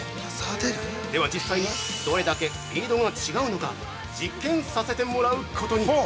では、実際にどれだけスピードが違うのか実験させてもらうことに。